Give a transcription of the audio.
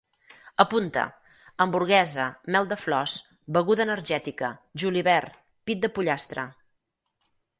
Apunta: hamburguesa, mel de flors, beguda energètica, julivert, pit de pollastre